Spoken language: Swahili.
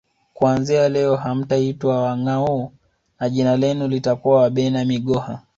Kuanzia leo hamtaitwa Wanghoo na jina lenu litakuwa Wabena migoha